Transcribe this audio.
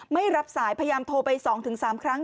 ไม่รับสายพยายามโทรไป๒๓ครั้ง